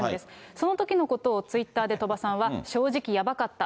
そのときのことをツイッターで鳥羽さんは、正直やばかった。